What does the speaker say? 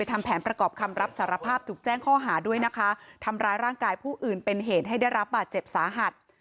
ทำแผนประกอบคำรับสารภาพถูกแจ้งข้อหาด้วยนะคะทำร้ายร่างกายผู้อื่นเป็นเหตุให้ได้รับบาดเจ็บสาหัส